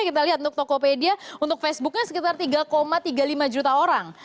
kita lihat untuk tokopedia untuk facebooknya sekitar tiga tiga puluh lima juta orang